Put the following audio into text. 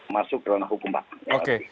masuk ke ranah hukum pak